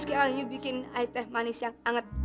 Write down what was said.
sekarang iu bikin i teh manis yang hangat